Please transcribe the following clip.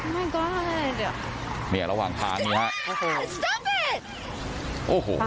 มันก็เดี๋ยวเนี่ยระหว่างทางนี่ฮะโอ้โห